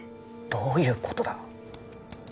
どういうことだ！？